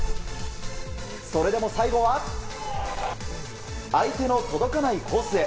それでも最後は相手の届かないコースへ。